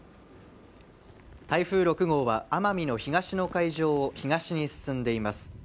台風６号は奄美の東の海上を東に進んでいます